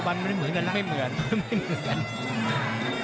มันมีรายการมวยนัดใหญ่อยู่นัด